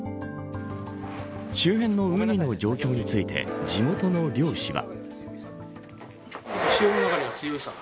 周辺の海の状況について地元の漁師は。